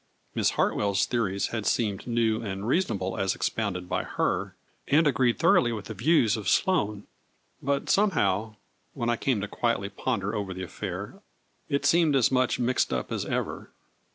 Miss Hartwell's theories had seemed new and reasonable as expounded by her, and agreed thoroughly with the views of Sloane, but some how, when I came to quietly ponder over the affair, it seemed as much mixed up as ever.